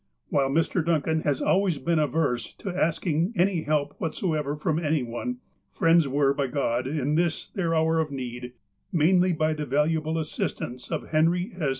While Mr. Duncan has always been averse to asking any help whatsoever from any one, friends were by God, in this their hour of need, mainly by the valuable assist ance of Henry S.